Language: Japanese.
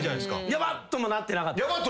「ヤバッ」ともなってなかった？